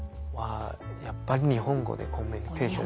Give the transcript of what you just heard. やっぱり日本語でコミュニケーション。